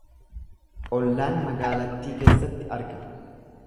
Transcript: Ollaan magaalattii keessatti arga.